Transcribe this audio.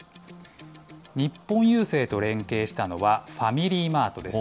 日本郵政と連携したのはファミリーマートです。